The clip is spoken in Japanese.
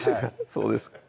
そうですか